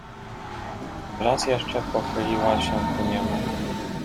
"Raz jeszcze pochyliła się ku niemu."